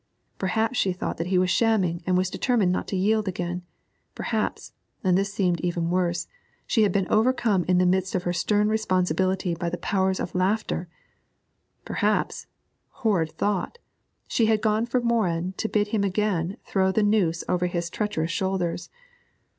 Perhaps she thought that he was shamming and was determined not to yield again; perhaps and this seemed even worse she had been overcome in the midst of her stern responsibility by the powers of laughter; perhaps, horrid thought, she had gone for Morin to bid him again throw the noose over his treacherous shoulders.